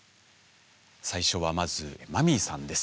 最初はまずマミーさんです。